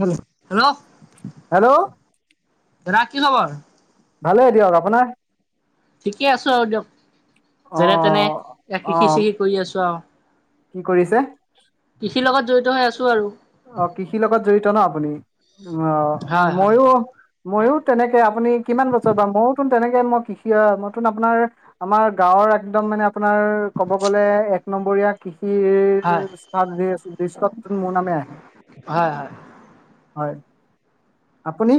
Hello. দাদা কি খবৰ? ভালে দিয়ক আপোনাৰ? ঠিকে আছো আৰু দিয়ক যেনে তেনে অ' কৃষি অ' চৃষি কৰি আছো আৰু। কি কৰিছে? কৃষিৰ লগত জড়িত হৈ আছোঁ আৰু। অ কৃষিৰ লগত জড়িত ন' আপুনি। অ হয় হয় ময়ো হয় ময়ো। তেনেকে আপুনি কিমান বছৰ বা মইয়ো টো তেনেকে মই কৃষি মই তো আপোনাৰ আমাৰ গাঁৱৰ একদম মানে আপোনাৰ ক'ব গলে এক। নম্বৰীয়া কি? হয় কি মোৰ নামে আহে হয়- হয়। হয়।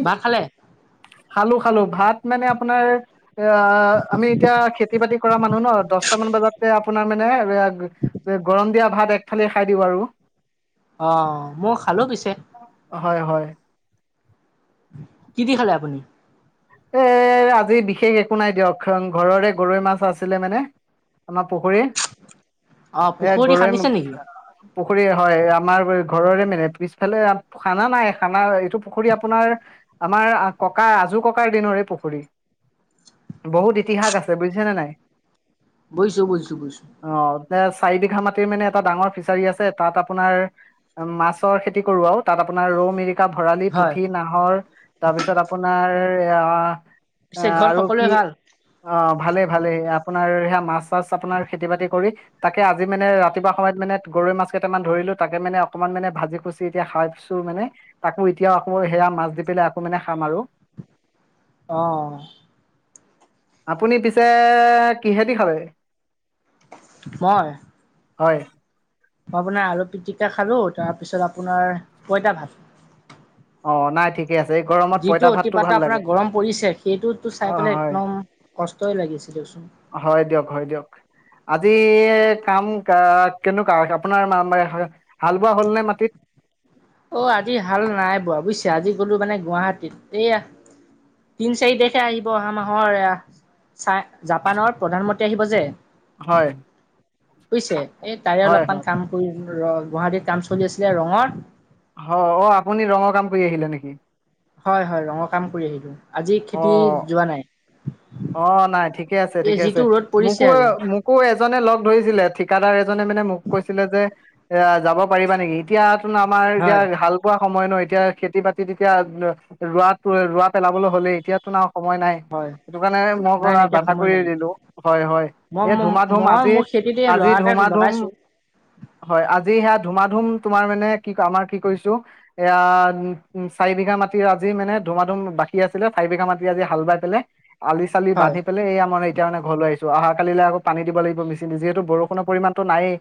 ভাত খালে? খালো-খালো ভাত। মানে আপোনাৰ অ ', আমি এতিয়া খেতি- বাতি কৰা মানুহ ন' দশটা মান বজাতে, আপোনাক মানে এ ', গৰম দিয়া ভাত একথালি ভাত খাই দিওঁ আৰু, অ', মই খালো পিছে, - হয় -হয় কি দি খালে আপুনি? এ', আজি বিশেষ একো নাই দিয়ক কাৰণ ঘৰৰে গৰৈ মাছ আছিলে মানে আমাৰ পুখুৰীৰ। অ', পুখুৰী খান্দিছে নেকি? পুখুৰী হয় আমাৰ ঘৰৰে মানে পিছফালে খানা নাই, খানা এইটো পুখুৰী আপোনাৰ আমাৰ ককা- আজো- ককা, থকাৰ দিনৰে পুখুৰী। বহুত ইতিহাস আছে বুজিছেনে নাই? বুজিছোঁ- বুজিছোঁ-বুজিছোঁ। অ এ', চাৰি বিঘা মাটিৰ মানে এটা ডাঙৰ ফিচাৰী আছে তাত আপোনাৰ মাছৰ খেতি কৰো আৰু তাত আপোনাৰ ৰৌ, মিৰি ভৰালি, হয় পুঠি নাহৰ তাৰ পিছত আপোনাৰ, তে অ', পিছে আঃ ঘৰত আৰু সকলোৱে কি ভাল অ', ভালে -ভালে আপ? আপোনাৰ সেয়া মাছ- চাছ আপোনাৰ খেতি- -বাতি কৰি তাকে আজি মানে ৰাতিপুৱা সময়ত মানে গৰৈ মাছ কেইটামান ধৰিলো। তাকে মানে, অকনমান মানে ভাজি খুচি এতিয়া খাই পছো মানে তাকো এতিয়াও আকৌ সেয়া মাছ দি পেলাই আকৌ মানে খাম আৰু। অহ ', আপুনি পিছে কিহেদি খালে? মই? হয়। মই আপোনাৰ আলু- পিটিকা খালো তাৰপিছত আপোনাৰ পইতা ভাত। অ', নাই ঠিক, যিটো অতিপাত্ৰা আপোনাৰ গৰম পৰিছে সেইটোততো চাই অ' পেলাই হয় একদম কষ্ট, [unintelligible] হয় দিয়ক, হয় দিয়ক আজি কাম কেনেকুৱা আপোনাৰ হাল বোৱা হ'ল নে মাটিত? অহ ', আজি হাল নাই বোৱা বুজিছা আজি গলো মানে গুৱাহাটীত। এইয়া তিন- চাৰি তাৰিখে আহিব অহা মাহৰ এ ', চাই জাপানৰ প্ৰধানমন্ত্ৰী আহিব যে, হয় বুজিছে এই তাৰে হয় অলপমান হয় কাম কৰিলো। ৰ গুৱাহাটীত কাম চলি আছিলে ৰঙৰ, হয়, অ ', আপুনি ৰঙৰ কাম কৰি আহিলে নেকি? হয়- হয় ৰঙৰ কাম কৰি আহিলো। আজি অ' খেতিত যোৱা নাই? অ', নাই ঠিকে আছে, এই ঠিকে যিটো আছে ৰ'দ পৰিছে আৰু মোকো- -মোকো এজনে লগ ধৰিছিলে ঠিকাদাৰ এ, নে মানে মোক কৈছিলে যে এয়া যাব পাৰিবা নেকি? এতিয়া, আমাৰ এতিয়া হয় হাল বোৱা সময় ন। এতিয়া খেতি বাতিত এতিয়া ৰোৱাত ৰোৱা পেলাবলে হ'লেই এতিয়াতোন আও হয়। কাৰ [unintelligible] ম নাই নাই এতিয়া বাধা সময় কৰি নাই দিলো হয় হয় মই এই ধুমা ধুম মই আজি মোৰ খেতিতে আজি ল'ৰা এটাক ধুমা ধুম লগাইছো হয় আজি সেয়া ধুমা ধু ধুম তোমাৰ মানে কি আমাৰ কি কৰিছো, এয়া উম চাৰি বিঘা মাটিৰ আজি মানে ধুমা ধুম বাকী আছিলে, চাৰি বিঘা মাটি আজি হাল বাই পেলাই! আলি চালি হয় বান্ধি পেলাই, এইয়া [inaudible] এতিয়া মানে ঘৰলৈ আহিছোঁ। ত' অহা কালিলে আকৌ পানী দিব লাগিব বেছি নিজেই যিহেতু বৰষুণৰ পৰিমাণটো নায়েই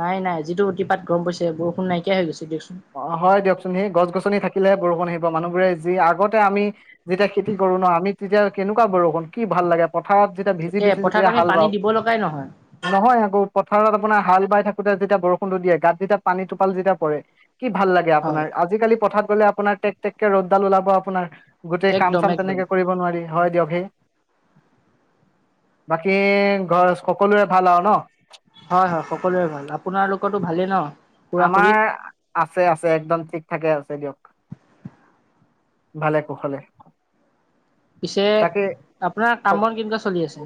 নাই নাই যিটো অতিপাত গৰম পৰিছে বৰষুণ নাইকিয়া হৈ গৈছে। দিয়কচোন অ হয় দিয়কচোন সেই গছ গছনি থাকে থাকিলেহে বৰষুণ আহিব, মানুহবোৰে যি আগতে আমি যেতিয়া খেতি কৰো ন, আমি তেতিয়া কেনেকুৱা বৰষুণ কি ভাল লাগে। পথাৰত যেতিয়া ভিজি তাকে ভিজি পথাৰত যেতিয়া আমি হাল পানী বাও দিব লগাই নহয় [unintelligible] নহয় আকৌ পথাৰত আপোনাৰ হাল বাই থাকোতে যেতিয়া বৰষুণটো দিয়ে গাত যেতিয়া পানী টোপাল যেতিয়া পৰে! কি ভাল লাগে হয় আপোনাৰ আজিকালি পথাত গ'লে আপোনাৰ টেক টেকে ৰ'দডাল ওলাব, আপোনাৰ গোটেই কাম একদম চাম একদম তেনেকে কৰিব নোৱাৰি, হয় দিয়ক হে, বাকী ঘৰ সকলোৰে ভাল আও ন? হয় হয় সকলোৰে ভাল আপোনালোকতো ভালেই ন? খুৰা খুৰী আমাৰ আছে আছে, একদম ঠিক ঠাকে আছে দিয়ক। ভালে কুশলে। পিছে তাকে আপোনাৰ কাম বন কেনেকুৱা চলি আছে?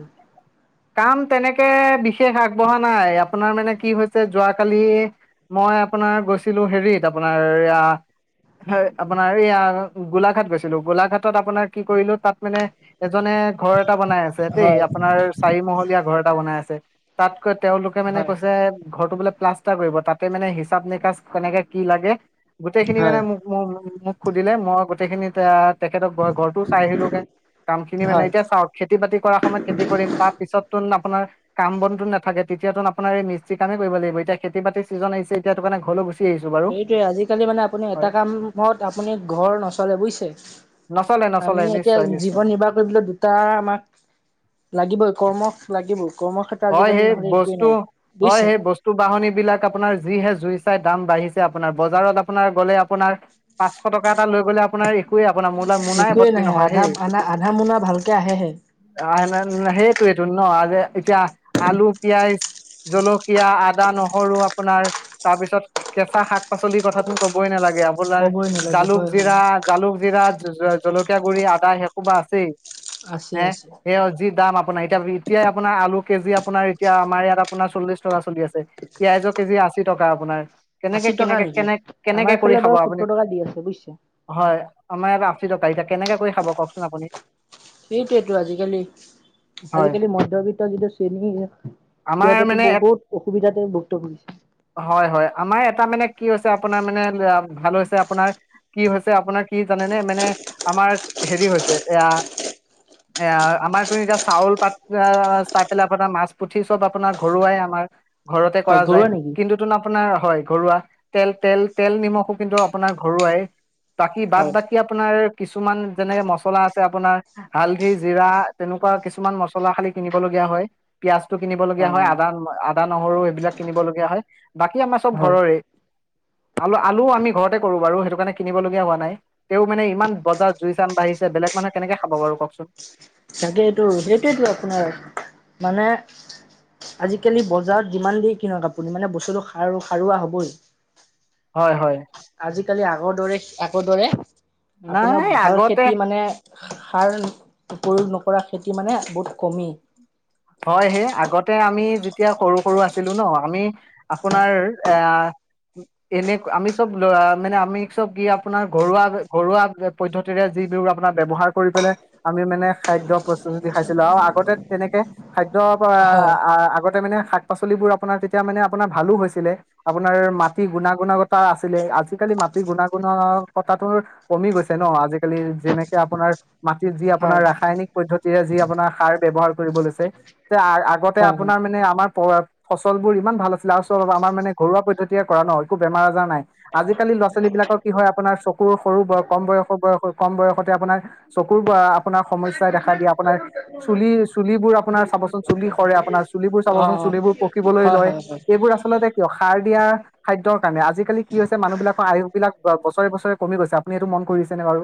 কাম তেনেকে বিশেষ আগবঢ়া নাই, আপোনাৰ মানে কি হৈছে, যোৱাকালি মই আপোনাৰ গৈছিলো হেৰিত আপোনাৰ এয়া আপোনাৰ এইয়া গোলাঘাট গৈছিলো। গোলাঘাটত আপোনাৰ কি কৰিলো তাত মানে এজনে ঘৰ এটা বনাই আছে দেই হয় আপোনাৰ মহলীয়া ঘৰ এটা বনাই আছে, তাত তেওঁলোকে মানে হয় কৈছে ঘৰটো বোলে প্লাষ্টাৰ কৰিব, তাতে মানে হিচাপ নিকাচ কেনেকে কি লাগে, গোটেই খিনি হয় মানে মোক মোক মোক সুধিলে, মই গোটেইখিনি তাত তেখেতক ঘ ঘৰটো চাই আহিলোগে, কাম খিনি মানে, হয় এতিয়া চাওক খেতি বাতি কৰা সময়ত খেতি কৰিম। তাত তোন আপোনাৰ কাম বনটো নাথাকে। তেতিয়া তো আপোনাৰ এই মস্ত্ৰী কামেই কৰিব লাগিব, এতিয়া খেতি বাতি চিজন আহিছে এতিয়া কাৰণে ঘৰলৈ গু সেইটোয়ে, আজিকালি মানে আপুনি এটা কামত আপুনি ঘৰ নচলে বুইছে, নচলে নচলে আমি এতিয়া নিশ্চয় নিশ্চয় জীৱন নিৰ্বাহ কৰিবলৈ দুটা আমাক লাগি বৈ। কৰ্ম লাগিব। হয় সেই বস্তু হয় বুজিছে সেই বস্তু বাহনি বিলাক আপোনাৰ যিহে জুই চাই দাম বাঢ়িছে আপোনাৰ বজাৰত আপোনাৰ গ'লে আপোনাৰ পাঁচশ টকা এটা লৈ গ'লে আপোনাৰ একোৱেই আপোনাৰ মোৰ মোনাই একোৱেই ভৰ্তি নাহে নহয়, আধা সেই আধা আধা মোনা ভালকে আহেহে [unintelligible] সেই তো এইটোত ন, আৰু যে এতিয়া। আলু, পিয়াজ, জলকীয়া, আদা, নহৰু আপোনাৰ তাৰ পিছত কেঁচা শাক পাচলিৰ কথাতো কবই নালাগে। আপোনাৰ ক'বই নালাগে জালুক হয় হয় জিৰা, জালুক জিৰা। জলকীয়া গুড়ি, আদা সেই সোপা আছেই,। আছে হে আছে সেইয়াও যি দাম আপো। আ এতিয়া এতিয়া আপোনাৰ আলু কেজি আপোনাৰ এতিয়া আমাৰ ইয়াত আপোনাৰ চল্লিশ টকা চলি আছে, পিয়াজৰ কেজি আশী টকা আপোনাৰ কেনেকে আশী টকা কেনেকে নেকি কেনেকে আমাৰ কেনেকে কৰি এইফালে খাব বাৰু আপুনি, সত্তৰ টকা দি আছে বুজিছে হয় আমাৰ বা [unintelligible] সেইটোয়েতো আজিকালি, হয় আজিকালি মধ্যবিত্ত যিটো তে আমাৰ খোৱাত মানে বহুত অসুবিধাতে ভুক্ত কৰিছে। হয় হয় আমাৰ এটা মানে কি হৈছে আপোনাৰ মানে ভাল হৈছে। আপোনাৰ কি হৈছে। আপোনাৰ কি জানেনে মানে আমাৰ হেৰি হৈছে। এয়া এ আমাৰ তুমি এতিয়া চাউল পাত। আপোনাৰ মাছ পুঠি চব আপোনাৰ ঘৰুৱাই আমাৰ। ঘৰতে হয় কৰা যায়, ঘৰুৱা নেকি? কিন্তু তোন আপোনাৰ, হয় ঘৰুৱা তেল তেল তেল নিমখো কিন্তু আপোনাৰ ঘৰুৱাই। বাকী বাদ অ' বাকী আপোনাৰ। কিছুমান যেনেক মছলা আছে। আপোনাৰ হালধি জিৰা তেনেকুৱা কিছুমান মছলা খালি কিনিব লগগীয়া হয়। পিয়াঁজ। কিনিবলগীয়া হয় আদান। আদা নহৰু এইবিলাক কিনিবলগীয়া হয়। বাকী আমাৰ চব হয় ঘৰৰে। আলু আলুও আমি ঘৰতে কৰো বাৰু। সেইটো কাৰণে কিনিবলগীয়া হোৱা নাই তেওঁ মানে ইমান বজাৰ জুই চান বাঢ়িছে বেলেগ মানুহে কেনেকে খাব বাৰু কওকচোন। তাকে এইটো সেইটোয়েতটো আপোনাৰ মানে আজিকালি বজাৰত যিমান দেৰি কিনক আপুনি মানে বস্তুটো সাৰ সাৰুৱা হ'বই। হয় হয়। এক দৰে একো দৰে। আপোনাৰ নাই ভাল আগতে খেতি মানে সাৰ। প্ৰয়োগ নকৰা খেতি মানে বহুত কমি। হয় সেই আগতে আমি যেতিয়া সৰু সৰু আছিলো ন। আমি আপোনাৰ এ এনে আমি চব মানে আমি চব কি আপোনাৰ ঘৰুৱা ঘৰুৱা পদ্ধতিৰে য বিু আপোনাৰ ব্য্ৱহাৰ কৰি পেলাই আমি মানে খাদ্যৰ প্ৰস্তুতি খাইছিলো আৰু আগতে তেনেকে। খাদ্য হয় আগতে মানে। শাক পাচলিবোৰ আপোনাৰ তেতিয়া মানে আপোনাৰ ভালো হৈছিলে। আপোনাৰ মাটি গুণাগুণাগতা আছিলে আজিকালি মাটিৰ গুণাগুণতা কমি গৈছে। ন আজিকালি যেনেকে আপোনাৰ। মাটিৰ যি আপোনাৰ হয় ৰাসায়নিক পদ্ধতি। যি আপোনাৰ সাৰ ব্যৱহাৰ কৰিব লৈছে। তে আগতে হয় হয়। আপোনাৰ মানে আমাৰ। ফচলবোৰ ইমান ভাল আছিলে। আৰু চ আমাৰ মানে ঘৰুৱা পদ্ধতিয়ে কৰা ন একো বেমাৰ আজাৰ নাই আজিকালি ল'ৰা ছোৱালী বিলাকৰ কি হয় আপোনাৰ চকুৰ সৰু বয় কম বয়স বয়স কম বয়সতে আপোনাৰ চকুৰ ব আপোনাৰ সমস্যাই দেখা দিয়ে। আপোনাৰ চুলি চুলিবোৰ আপোনাৰ চাবচোন চুলি সৰে আপোনাৰ। চুলিবোৰ অ' চাবচোন অ' চুলিবোৰ পকিবলৈ হয় লয় হয় হয় এইবোৰ আচলতে কিয় সাৰ দিয়া খাদ্যৰ কাৰণে আজিকালি কি হৈছে মানুহবিলাকৰ আয়ু বিলাক বছৰে বছৰে কমি গৈছে। আপুনি এইটো মন কৰিছেনে বাৰু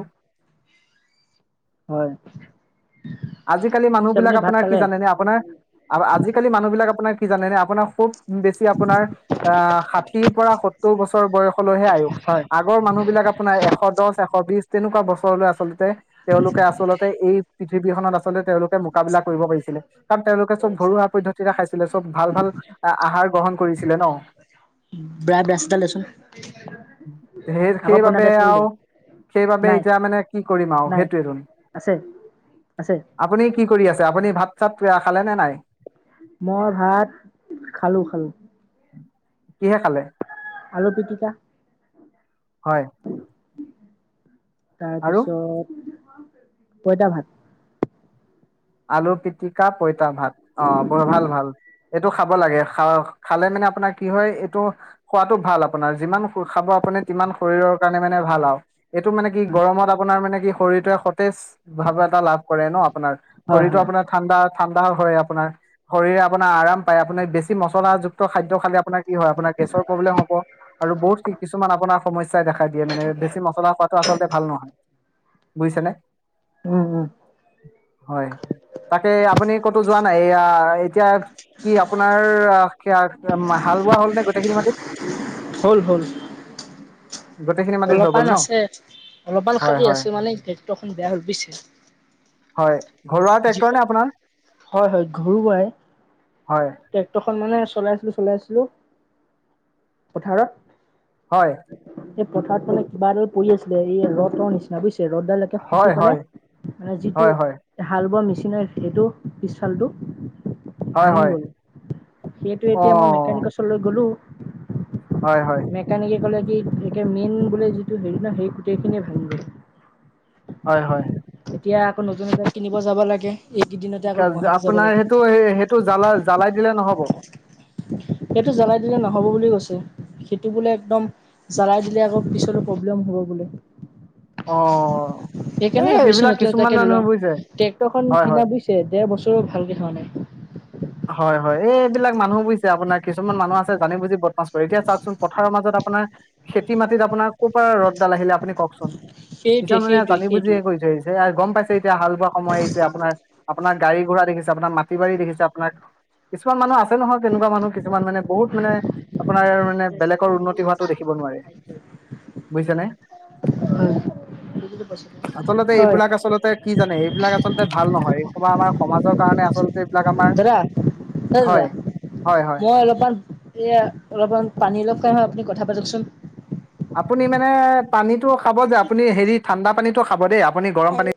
হয়। আজিকালি মানুহ পিছে বিলাক আপুনি ভাত আপোনাৰ কি খালে? জানে আজিকালি মানুহ বিলাক আপোনাৰ কি জানে ন আপোনাৰ খুব বেছি আপোনাৰ আহ ষাঠিৰ পৰা সত্তৰ বছৰ বয়স হে আয়স হয়। আগৰ মানুহ বিলাক আপোনাৰ এশ দহ এশ বিশ তেনেকুৱা বছৰলৈ আচলতে তেওঁলোকে আচলতে এই পৃথিৱীখননত আচলতে তেওঁলোকে মোকাবিলা কৰিব পাৰিছিলে কাৰণ তেওঁলোকে চব ঘৰুৱা পদ্ধতিৰে খাইছিলে চব ভাল ভাল আঁহ আহাৰ গ্ৰহণ কৰিছিলে ন বেয়া ব্ৰাছ এডাল দেচোন সেই আকৌ পুৰণা সেইবাবে ব্ৰাছ এডাল দে আৰু সেইবাবে নাই এতিয়া মানে কি কৰিম আৰু নাই সেইটোয়েদি আছে আছে আপুনি কি কৰি আছে আপুনি ভাত কিবা খালে নে নাই মই ভাত খালোঁ খালোঁ। কিহে খালে? আলো পিটিকা। হয়। আৰু তাৰপিছত পইতা ভাত আলু পিতিকা পইতা ভাত, অঁ বৰ ভাল ভাল। এইটো খাব লাগে খালে মানে আপোনাৰ কি হয় এইটো খোৱাতো ভাল আপোনাৰ যিমান সু খাব আপুনি সিমান শৰীৰৰ কাৰণে মানে ভাল আৰু এইটো মানে কি গৰমত আপোনাৰ মানে কি শৰীৰটোৱে সতেজ ভাৱ এটা লাভ কৰে ন আপাৰ হয় শৰীৰতো হয় আপোনাৰ ঠাণ্ডা ঠণ্ডা হয় অঁ আপোনাৰ শৰীৰে আপোনাৰ আৰাম পায় আপোনাক বেছি বেছ মছলাযুক্ত খাদ্য খালে আপোনাৰ কি হয় আপোনাৰ গেছৰ প্ৰব্লেম হ'ব আৰু বহুত কিছুমান আপোনাৰ সমস্যাই দেখাই দিয়ে মানে বেছি মছলা খোৱাতটো আচলতে ভাল নহয় বুজিছে নে উম উম হয় তাকে আপুনি ক'তো যোৱা নাই এয়া এতিয়া কি আপোনাৰ হাল বোৱা হ'ল নে গোটেইখিনি মাটিত হ'ল হ'ল গোটেইখিনি মাটিত হৈ অলপমান গ'ল ন আছে অলপমান হয় খালি হয় আছে মানে টেক্টৰৰ খন বেয়া হ বুছে হয় ঘৰুৱা যি ট্ৰেক্টৰ নে আপোনাৰ হয় হয় ঘৰুৱাই হয় টেক্টৰ খন মানে চলাইছিলো চলাইছিলো পথাৰত হয় এই পথাৰত মানে কিবা এৰে পৰি আছিলে এই ৰথৰ নিচিনা বুজছিল ৰ'দডালৈকে ফুচি হয় পেলাই হয় মানে যিটো হয় হয় মেচিনৰ সেইটো পিছালটো হয় ভাঙি হয় গ'ল সেইটো অ এতিয়া মই মেকানিকচলৈ গ'লো হয় হয় মেকানিকেল কলেজ মেইন বোলে যিটো হেৰি ন, সেই গোটেই খিনিয়ে ভাঙি গল। হয়, হয়। এতিয়া আকৌ নতুন কিনিব যাব লাগে। এইকেইদিনতে আকৌ গুৱাহাটী যাব আপোনাৰ লাগে সেইটো, সেই সেইটো জ্বালা-জ্বালাই দিলে নহ'ব? সেইটো জ্বালাই দিলে নহ'ব বুলি কৈছে, সেইটো বোলে একদম জ্বালাই দিলে আকৌ পিছৰ প্ৰব্লেম হ'ব বোলে। অ সেইকাৰণে এই ভাবিছো এইবিলাক নতুন কিছুমান এটাকে লৈ মানুহ লওঁ, বুজিছে ট্ৰেক্টৰখন হয় হয় কিনা বুজিছে দেৰ বছৰ ভালকৈ খোৱা নাই। হয়, হয়, এইবিলাক মানুহ বুজিছে আপোনাৰ কিছুমান মানুহ আছে জানি বুজি বদমাছ কৰে, এতিয়া চাওকচোন পথাৰৰ মাজত আপোনাৰ, খেতি মাটিত আপোনাৰ ক'ৰ পৰা ৰদডাল আহিলে আপুনি কওকচোন? সেইটোৱে কিছুমান মানে সেইটোৱে জানি বুজিয়ে সেইটোৱে কৰি থৈ, [unintelligible] গম পাইছে এতিয়া হাল বোৱা সময় আহিছে আপোনাৰ আপোনাৰ গাড়ী-গোৰা দেখি আপোনাৰ মাটিবাৰি দেখিছে কিছুমান মানুহ আছে নহয় তেনেকুৱা মানুহ কিছুমান মানে বহুত মানে আপোনাৰ মানে বেলেগৰ উন্নতি হোৱাটো দেখিব নোৱাৰে, বুজিছে নে? হয়। বুজিলো পাইছিলো। আচলতে হয় এইবিলাক আচলতে কি জানে এইবিলাক আচলতে ভাল নহয়, এই হফা আমাৰ সমাজত কাৰণে, আচলতে এইবিলাক আমাৰ দাদা, এ দাদা, হয় হয় হয় মই অলপমান এইয়া, অলপমান পানী অলপ খাই আহো, আপুনি কথা পাতকচোন। আপুনি মানে পানীত টো খাব যে আপুনি হেৰি ঠাণ্ডা পানীটো খাব দেই আপুনি গৰম পানী